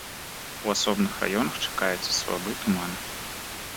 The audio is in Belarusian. У асобных раёнах чакаецца слабы туман.